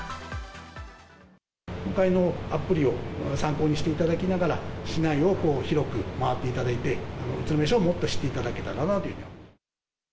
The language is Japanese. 今回のアプリを参考にしていただきながら、市内を広く回っていただいて、宇都宮市をもっと知っていただけたらなと。